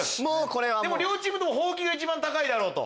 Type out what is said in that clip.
両チームともほうきが一番高いだろうと。